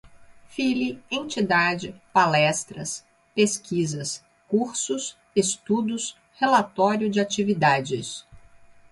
Filie, entidade, palestras, pesquisas, cursos, estudos, relatório de atividades